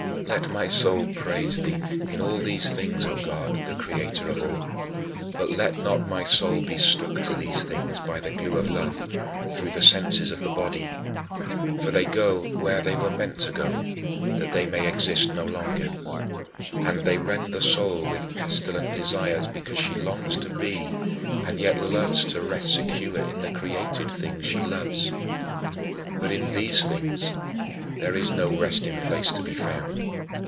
Let my soul praise thee, in all these things, O God, the Creator of all; but let not my soul be stuck to these things by the glue of love, through the senses of the body. For they go where they were meant to go, that they may exist no longer. And they rend the soul with pestilent desires because she longs to be and yet loves to rest secure in the created things she loves. But in these things there is no resting place to be found.